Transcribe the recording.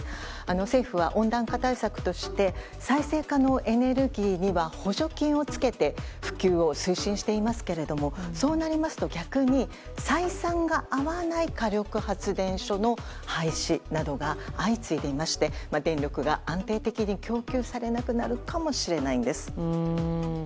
政府は温暖化対策として再生可能エネルギーには補助金をつけて普及を推進していますけどもそうなりますと逆に採算が合わない火力発電所の廃止などが相次いでいまして電力が安定的に供給されなくなるかもしれないんです。